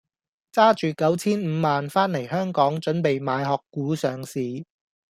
揸住九千五萬番黎香港準備買殼股上市。